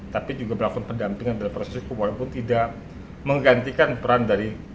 tapi juga melakukan pendampingan dalam proses hukum walaupun tidak menggantikan peran dari